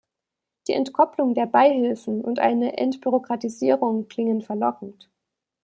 Die Entkoppelung der Beihilfen und eine Entbürokratisierung klingen verlockend.